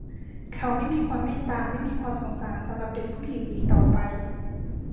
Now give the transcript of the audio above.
เขาไม่มีความเมตตาไม่มีความสงสารสำหรับเด็กผู้หญิงอีกต่อไป